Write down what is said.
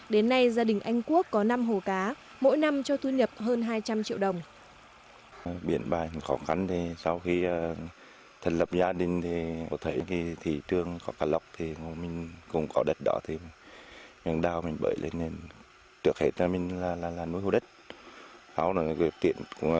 đến nay gia đình anh quốc có năm hồ cá mỗi năm cho thu nhập hơn hai trăm linh triệu đồng